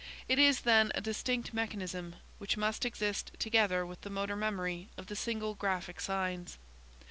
It is, then, a distinct mechanism, which must exist together with the motor memory of the single graphic signs.